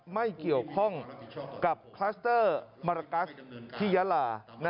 ไม่เกี่ยวข้องกับคลัสเตอร์มารกัสที่ยาลา